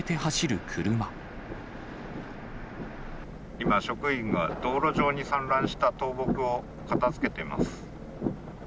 今、職員が道路上に散乱した倒木を片づけています。